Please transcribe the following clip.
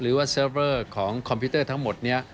หรือว่าเซิร์ฟเวอร์ของคอมพิวเตอร์ทั้งหมดนี้